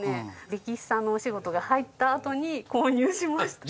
レキシさんのお仕事が入ったあとに購入しました。